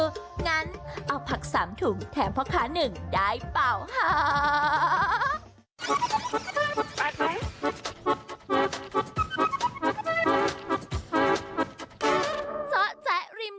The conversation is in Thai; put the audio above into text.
อยู่งั้นเอาผักสามถุงแถมเพราะค้าหนึ่งได้เปล่าฮ่า